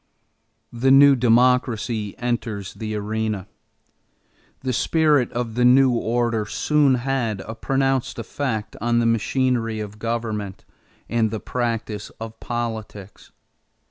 THE NEW DEMOCRACY ENTERS THE ARENA The spirit of the new order soon had a pronounced effect on the machinery of government and the practice of politics.